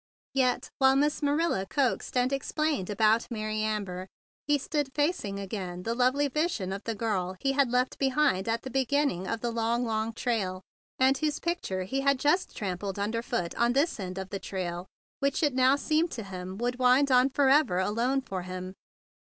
Yet, while Miss Manila coaxed and explained about Mary Amber, he stood facing again the lovely vision of the girl he had left behind at the beginning of the long, long trail, and whose picture he had just trampled underfoot on this end of the trail, which it now seemed to him would wind on forever alone for him.